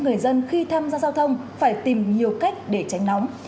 người dân khi tham gia giao thông phải tìm nhiều cách để tránh nóng